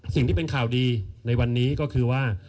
สิ่งที่เป็นข่าวดีในวันนี้ก็คือว่า